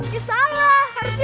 salah harusnya bantuin